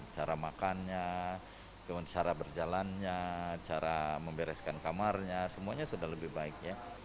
cara makannya cara berjalannya cara membereskan kamarnya semuanya sudah lebih baik